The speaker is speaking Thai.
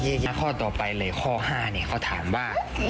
อ๋อโอเคข้อต่อไปเลยข้อ๕เนี่ยเขาถามว่า